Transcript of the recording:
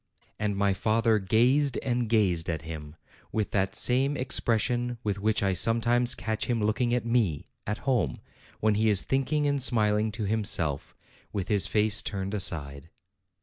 And my father gazed and gazed at him, with that same expression with which I sometimes catch him looking at me, at home, when he is thinking and smiling to himself, with his face turned aside.